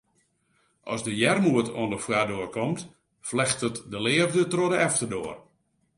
As de earmoed oan 'e foardoar komt, flechtet de leafde troch de efterdoar.